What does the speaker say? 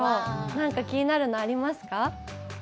なんか気になるのありますか？